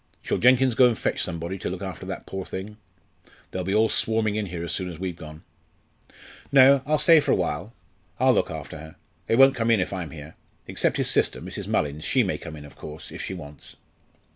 Shall Jenkins go and fetch somebody to look after that poor thing? They'll be all swarming in here as soon as we've gone." "No, I'll stay for a while. I'll look after her. They won't come in if I'm here. Except his sister Mrs. Mullins she may come in, of course, if she wants."